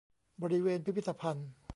บริเวณพิพิธภัณฑ์